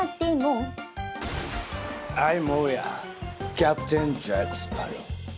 キャプテンジャック・スパロウ。